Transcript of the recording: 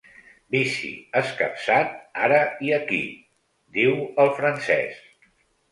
Vici escapçat ara i aquí, diu el francès.